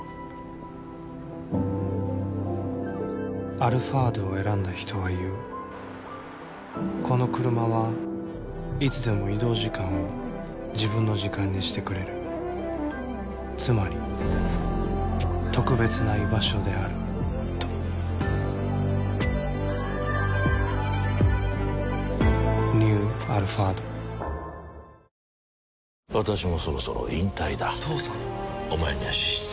「アルファード」を選んだ人は言うこのクルマはいつでも移動時間を自分の時間にしてくれるつまり特別な居場所であるとニュー「アルファード」我が家にもついにあこがれのホームタップがやってきました